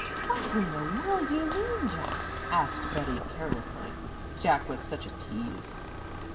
"What in the world do you mean, Jack?" asked Betty carelessly. Jack was such a tease.